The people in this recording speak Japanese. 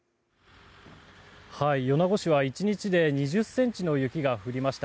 米子市は１日で２０ｃｍの雪が降りました。